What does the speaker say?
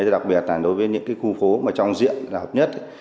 đặc biệt là đối với những khu phố trong diện là hợp nhất